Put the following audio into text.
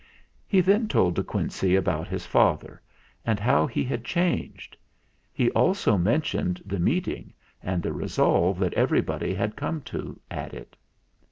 He then told De Quincey about his father DE QUINCEY 103 and how he had changed. He also mentioned the Meeting, and the resolve that everybody had come to at it.